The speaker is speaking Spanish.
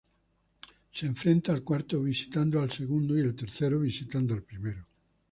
Se enfrenta el cuarto visitando al segundo y el tercero visitando al primero.